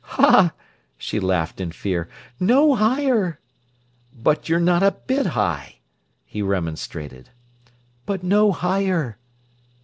"Ha!" she laughed in fear. "No higher!" "But you're not a bit high," he remonstrated. "But no higher."